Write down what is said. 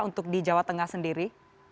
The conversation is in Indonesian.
untuk di jawa tengah sendiri